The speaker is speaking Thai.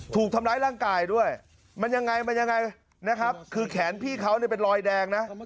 ถูกทำร้ายร่างกายด้วยมันยังไงมันยังไงนะครับคือแขนพี่เขาเนี่ยเป็นรอยแดงนะ